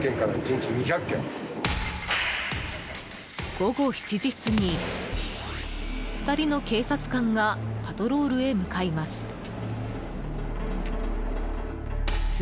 午後７時過ぎ、２人の警察官がパトロールへ向かいます。